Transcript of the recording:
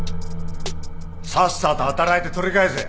さっさと働いて取り返せ。